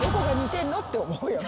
って思うよね。